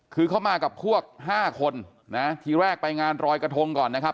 คือเขามากับพวก๕คนนะทีแรกไปงานรอยกระทงก่อนนะครับ